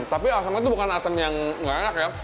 tapi asamnya itu bukan asam yang enggak enak ya